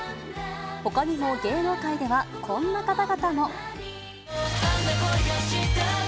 ほかにも芸能界では、こんな方々も。